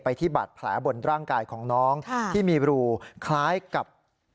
ที่บาดแผลบนร่างกายของน้องที่มีรูคล้ายกับ